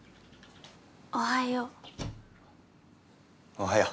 おはよう。